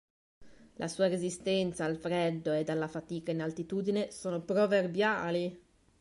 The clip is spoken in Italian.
La sua resistenza al freddo ed alla fatica in altitudine sono proverbiali.